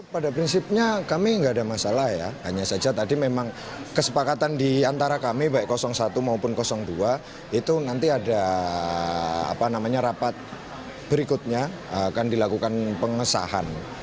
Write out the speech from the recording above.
pada prinsipnya kami tidak ada masalah ya hanya saja tadi memang kesepakatan diantara kami baik satu maupun dua itu nanti ada rapat berikutnya akan dilakukan pengesahan